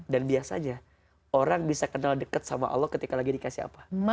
dan biasanya orang bisa kenal dekat sama allah ketika lagi dikasih apa